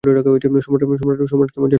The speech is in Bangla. সম্রাট কেমন যেন করছেন!